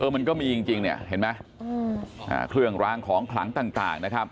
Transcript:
มันก็มีจริงเนี่ยเห็นไหมเครื่องรางของขลังต่างนะครับ